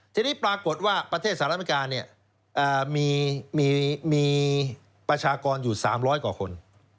ทีนี้ปรากฏว่าประเทศสหรัฐอเมริกามีประชากรอยู่๓๐๐กว่าคน